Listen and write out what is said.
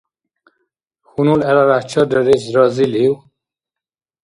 Хьунул гӀеларяхӀ чаррарес разилив?